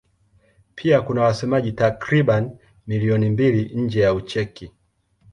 Pia kuna wasemaji takriban milioni mbili nje ya Ucheki.